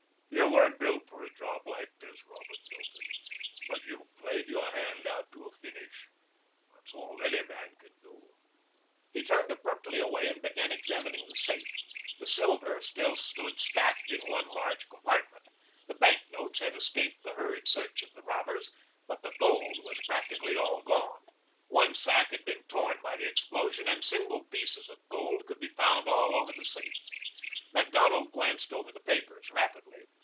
You weren't built for a job like this, Robert Milton, but you played your hand out to a finish. That's all any man can do." He turned abruptly away and began examining the safe. The silver still stood sacked in one large compartment. The bank notes had escaped the hurried search of the robbers, but the gold was practically all gone. One sack had been torn by the explosion and single pieces of gold could be found all over the safe. Macdonald glanced over the papers rapidly.